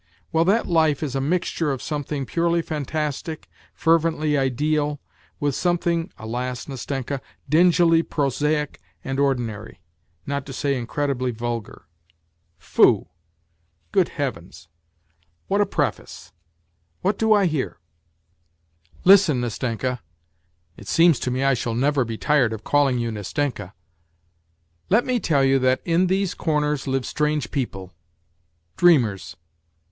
Well, that life is a mixture of something purely fantastic, fervently ideal, with something (alas ! Nastenka) dingily prosaic and ordinary, not to say incredibly vulgar." " Foo ! Good Heavens ! What a preface ! What do I hear ?" U WHITE NIGHTS " Listen, Nastenka. (It seems to me I shall never be tired of calling you Nastenka.) Let me tell you that in these corners live strange people dreamers.